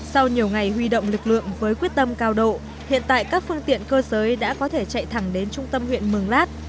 sau nhiều ngày huy động lực lượng với quyết tâm cao độ hiện tại các phương tiện cơ giới đã có thể chạy thẳng đến trung tâm huyện mường lát